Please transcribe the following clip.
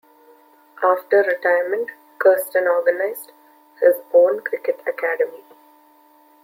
After retirement, Kirsten organized his own cricket academy.